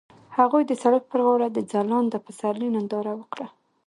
هغوی د سړک پر غاړه د ځلانده پسرلی ننداره وکړه.